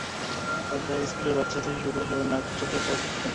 ফলে স্কুলের বাচ্চা থেকে শুরু করে সবাই নাক চেপে চলাচল করতেন।